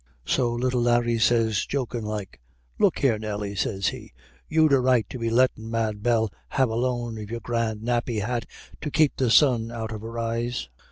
So little Larry sez, jokin' like, 'Look here, Nelly,' sez he, 'you'd a right to be lettin' Mad Bell have a loan of your grand nappy hat to keep the sun out of her eyes.'